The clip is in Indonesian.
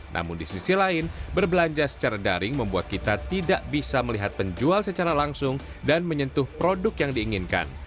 namun di sisi lain berbelanja secara daring membuat kita tidak bisa melihat penjual secara langsung dan menyentuh produk yang diinginkan